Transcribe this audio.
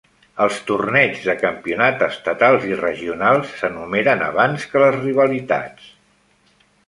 Els torneigs de campionat estatals i regionals s'enumeren abans que les rivalitats.